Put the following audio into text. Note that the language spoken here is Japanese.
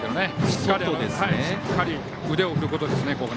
しっかり腕を振ることです。